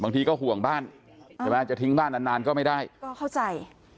บางทีก็ห่วงบ้านใช่ไหมจะทิ้งบ้านนานนานก็ไม่ได้ก็เข้าใจ